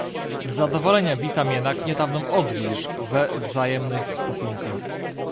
Z zadowoleniem witam jednak niedawną odwilż we wzajemnych stosunkach